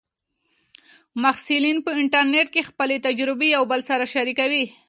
محصلین په انټرنیټ کې خپلې تجربې یو بل سره شریکوي.